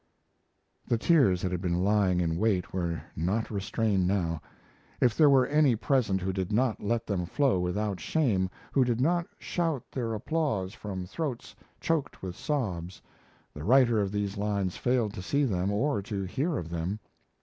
The tears that had been lying in wait were not restrained now. If there were any present who did not let them flow without shame, who did not shout their applause from throats choked with sobs, the writer of these lines failed to see them or to hear of them.